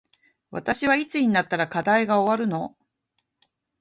私はいつになったら課題が終わるの